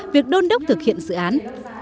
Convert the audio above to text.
việc đôn đốc thực hiện dự án